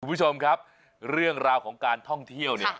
คุณผู้ชมครับเรื่องราวของการท่องเที่ยวเนี่ย